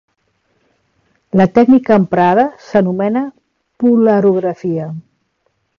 La tècnica emprada s'anomena Polarografia.